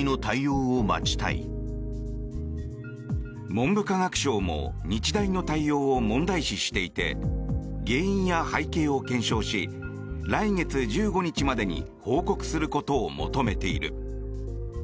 文部科学省も日大の対応を問題視していて原因や背景を検証し来月１５日までに報告することを求めている。